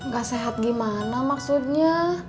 gak sehat gimana maksudnya